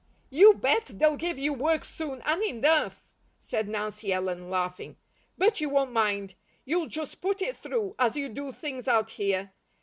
"You bet they'll give you work soon, and enough," said Nancy Ellen, laughing. "But you won't mind. You'll just put it through, as you do things out here.